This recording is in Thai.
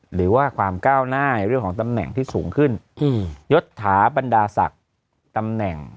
หรือว่าความก้าวหน้าในเรื่องของตำแหน่งที่สูงขึ้นยศถาบรรดาศักดิ์ตำแหน่ง